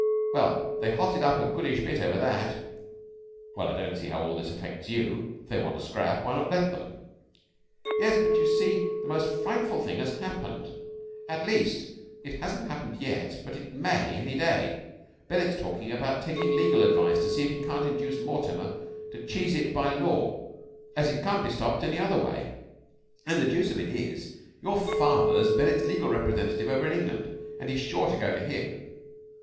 Well, they hotted up a goodish bit over that." "Well, I don't see how all this affects you. If they want to scrap, why not let them?" "Yes, but, you see, the most frightful thing has happened. At least, it hasn't happened yet, but it may any day. Bennett's talking about taking legal advice to see if he can't induce Mortimer to cheese it by law as he can't be stopped any other way. And the deuce of it is, your father's Bennett's legal representative over in England, and he's sure to go to him."